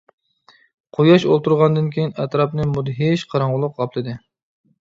قۇياش ئولتۇرغاندىن كېيىن ئەتراپنى مۇدھىش قاراڭغۇلۇق قاپلىدى.